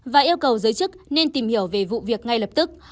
và yêu cầu giới chức nên tìm hiểu về vụ việc ngay lập tức